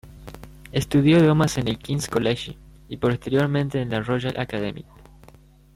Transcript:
Estudió idiomas en el King’s College y posteriormente en la Royal Academy.